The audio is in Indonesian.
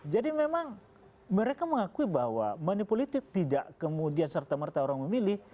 jadi memang mereka mengakui bahwa mani politik tidak kemudian serta merta orang memilih